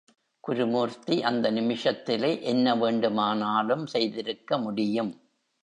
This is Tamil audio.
குருமூர்த்தி அந்த நிமிஷத்திலே என்ன வேண்டுமானாலும் செய்திருக்க முடியும்.